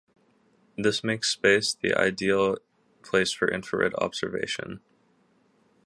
This makes space the ideal place for infrared observation.